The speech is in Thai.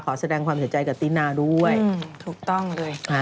ขอแสดงความเสียใจกับตินาด้วยถูกต้องเลย